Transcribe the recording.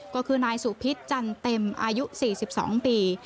ก็คือนายสุพิษจันเต็มอายุ๔๒ปี